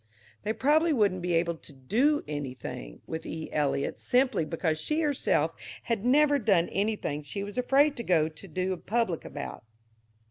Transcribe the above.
They probably wouldn't be able to "do anything" with E. Eliot simply because she herself had never done anything she was afraid to go to the public about.